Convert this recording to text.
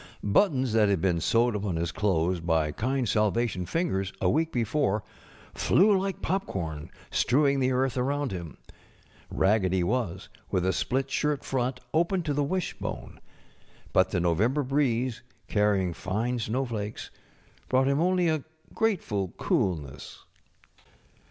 Buttons that had been sewed upon his clothes by kind Salvation fingers a week before flew like pop┬¼ corn, strewing the earth around him. Bagged he was, with a split shirt front open to the wishbone; but the November breeze, carrying fine snowflakes, brought 52 The Trimmed Lamp only a ^^ateful coalness.